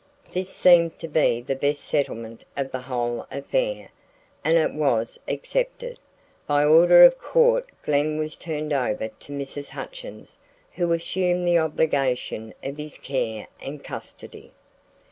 This seemed to be the best settlement of the whole affair, and it was accepted. By order of court Glen was turned over to Mrs. Hutchins who assumed the obligation of his care and custody.